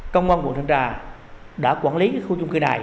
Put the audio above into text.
công an quận trang trà đã quản lý cái khu chung cư này